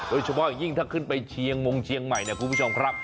โดยเฉพาะอย่างยิ่งถ้าขึ้นไปเชียงมงเชียงใหม่เนี่ยคุณผู้ชมครับ